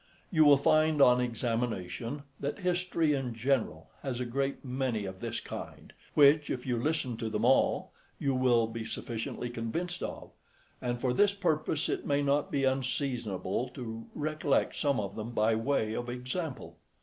You will find on examination, that history in general has a great many of this kind, which, if you listen to them all, you will be sufficiently convinced of; and for this purpose it may not be unseasonable to recollect some of them by way of example.